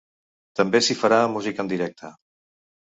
També s’hi farà música en directe.